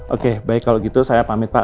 oke baik kalau gitu saya pamit pak